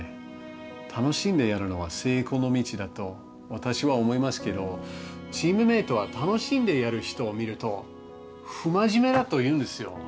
楽しんでやるのは成功の道だと私は思いますけどチームメートは楽しんでやる人を見ると不真面目だと言うんですよ。